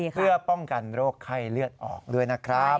เพื่อป้องกันโรคไข้เลือดออกด้วยนะครับ